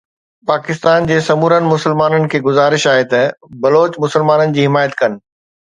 پاڪستان جي سمورن مسلمانن کي گذارش آهي ته بلوچ مسلمانن جي حمايت ڪن.